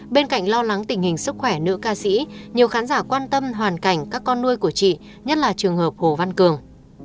bên cạnh lo lắng tình hình sức khỏe nữ ca sĩ nhiều khán giả quan tâm hoàn cảnh các con nuôi của chị nhất là trường hợp hồ văn cường